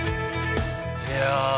いや。